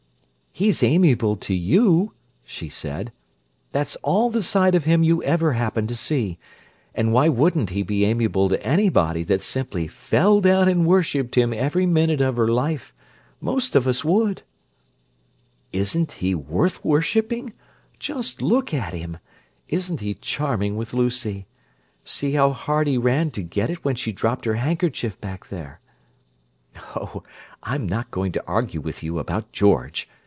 "He's amiable to you!" she said. "That's all the side of him you ever happen to see. And why wouldn't he be amiable to anybody that simply fell down and worshipped him every minute of her life? Most of us would!" "Isn't he worth worshipping? Just look at him! Isn't he charming with Lucy! See how hard he ran to get it when she dropped her handkerchief back there." "Oh, I'm not going to argue with you about George!"